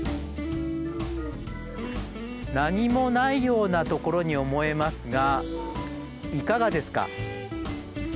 何もないようなところに思えますがいかがですか？